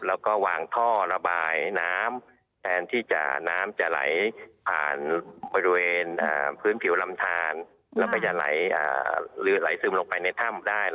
แล้วก็วางท่อระบายน้ำแทนที่น้ำจะไหลผ่านบริเวณพื้นผิวลำทานแล้วก็จะไหลซึมลงไปในถ้ำได้